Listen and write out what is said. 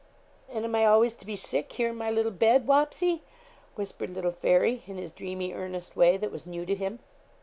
'And am I always to be sick, here in my little bed, Wapsie?' whispered little Fairy, in his dreamy, earnest way, that was new to him.